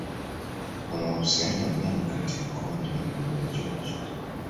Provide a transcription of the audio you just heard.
Kuna uhusiano gani kati ya mkonge na Olduvai Gorge